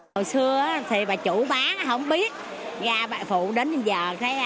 hồi xưa thì bà chủ bán không biết ra bà phụ đến giờ